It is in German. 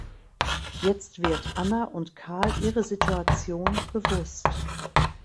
Jetzt wird Anna und Karl ihre Situation bewusst.